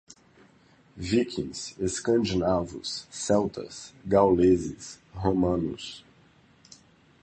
Vikings, escandinavos, celtas, gauleses, romanos